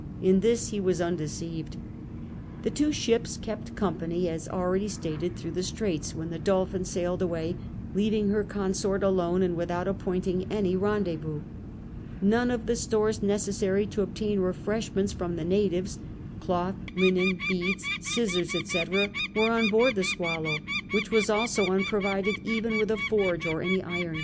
In this he Avas undeceived The tAvo ships kejAt in company, as already stsited, through the Straits, when the Dol^thin sailed aAvay, leaving her consoit alone, and without appointing any rendezvous. None of the stores necessary to obtain refreshments from the natives — cloth, linen, beads, scissors, etc. — were on board the Swallow, which was also unprovided even Avith a forge or any iron.